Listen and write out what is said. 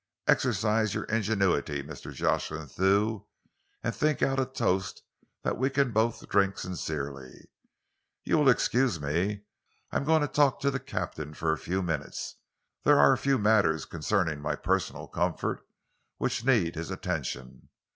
"Exercise your ingenuity, Mr. Jocelyn Thew, and think out a toast that we can both drink sincerely. You will excuse me? I am going in to talk to the captain for a few minutes. There are a few matters concerning my personal comfort which need his attention.